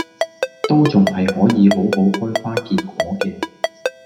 都仲係可以好好開花結果嘅